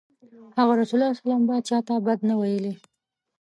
هغه ﷺ به چاته بد نه ویلی.